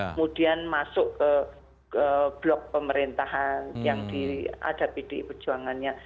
kemudian masuk ke blok pemerintahan yang diadapi di perjuangannya